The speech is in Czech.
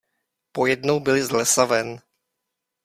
Pojednou byli z lesa ven.